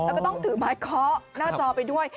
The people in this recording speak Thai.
แล้วก็ต้องถือไม้เคาะหน้าจอไปด้วย